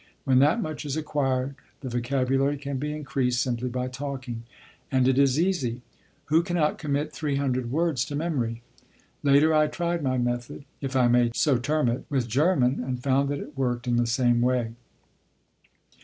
When that much is acquired the vocabulary can be increased simply by talking. And it is easy. Who cannot commit three hundred words to memory? Later I tried my method, if I may so term it, with German, and found that it worked in the same way.